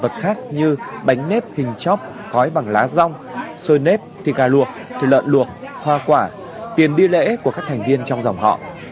vật khác như bánh nếp hình chóp gói bằng lá rong sôi nếp thịt gà luộc thịt lợn luồng hoa quả tiền đi lễ của các thành viên trong dòng họ